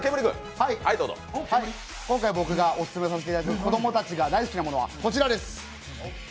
今回僕がオススメさせていただく子どもたちが大好きなものはこちらです。